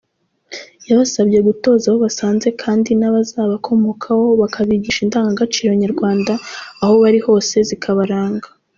Yabasabye gutoza abo basanze kandi n’abazabakomokaho bakabigisha indangacairo nyarwanda, aho bari hose zikabaranga.